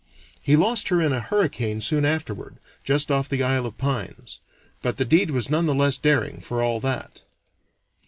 He lost her in a hurricane soon afterward, just off the Isle of Pines; but the deed was none the less daring for all that.